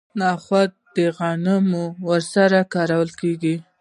نخود د غنمو وروسته کرل کیږي.